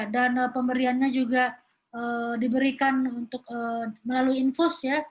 dan pemberiannya juga diberikan melalui infus